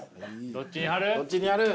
どっちに貼る？